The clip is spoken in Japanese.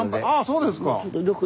そうですか。